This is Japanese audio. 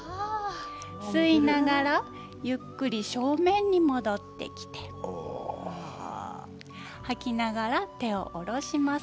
吸いながらゆっくり正面に戻ってきて吐きながら手を下ろします。